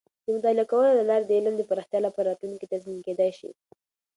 د مطالعه کولو له لارې د علم د پراختیا لپاره راتلونکې تضمین کیدی شي.